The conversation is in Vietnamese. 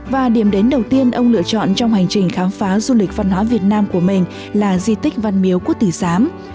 và điểm đến đầu tiên ông lựa chọn trong hành trình khám phá du lịch văn hóa việt nam của mình là di tích văn miếu quốc tỷ giám